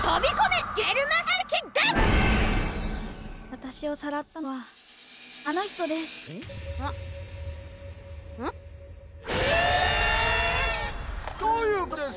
私をさらったのはあの人です。